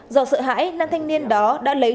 do sợ hãi nam thanh niên đó đã lấy